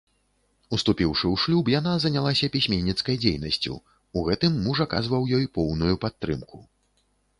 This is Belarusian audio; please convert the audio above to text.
Уступіўшы ў шлюб, яна занялася пісьменніцкай дзейнасцю, у гэтым муж аказваў ёй поўную падтрымку.